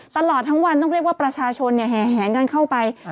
ตลอดทั้งวันต้องเรียกว่าประชาชนแห่แหงกันเข้าไป